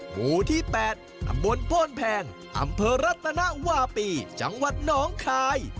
หมู่ที่๘ตำบลโพนแพงอำเภอรัตนวาปีจังหวัดน้องคาย